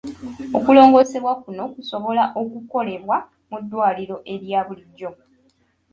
Okulongoosebwa kuno kusobola okukolebwa mu ddwaliro erya bulijjo.